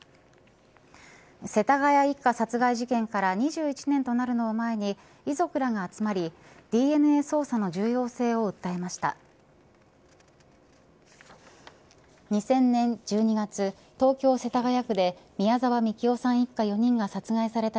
世田谷一家殺害事件から２１年となるのを前に遺族らが集まりＤＮＡ捜査の重要性を訴えました。